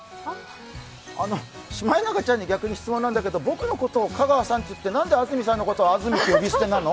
シマエナガちゃんに逆に質問なんだけど、僕のことを香川さんと言ってなんで安住さんの中であずみって呼び捨てなの？